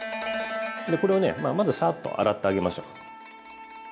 これをねまずサッと洗ってあげましょう。